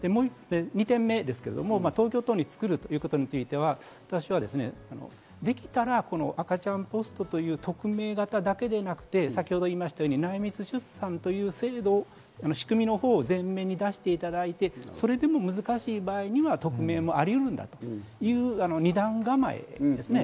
２点目ですが、東京都に作るということについては、私はできたら赤ちゃんポストという匿名型だけでなくて、先ほど言ったように内密出産という制度を仕組みを前面に出していただいて、それでも難しい場合には匿名もありうるんだという二段構えですね。